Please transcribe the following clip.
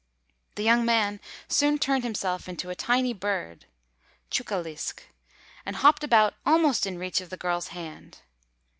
The young man soon turned himself into a tiny bird, "chūkālisq'," and hopped about almost in reach of the girl's hand.